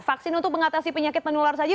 vaksin untuk mengatasi penyakit menular saja